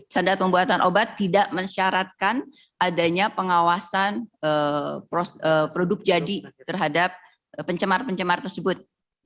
standar pembuatan obat tidak mensyaratkan adanya pengawasan produk jadi terhadap pencemar pencemar tersebut